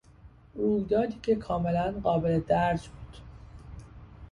رویدادی که کاملا قابل درج بود